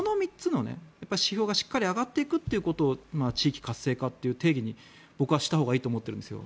しっかり上がっていくことを地域活性化という定義にしたほうがいいと思っているんですよ。